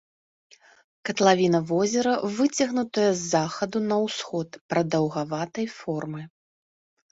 Катлавіна возера выцягнутая з захаду на ўсход, прадаўгаватай формы.